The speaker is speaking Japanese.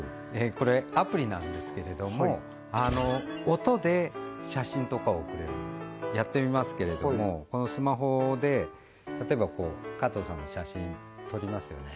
これアプリなんですけれども音で写真とかを送れるんですよやってみますけれどもこのスマホで例えば加藤さんの写真撮りますよね